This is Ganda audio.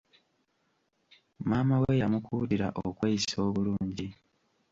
Maama we yamukuutira okweyisa obulungi.